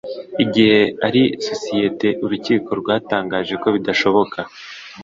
igihe ari sosiyete urukiko rwatangaje ko bidashoboka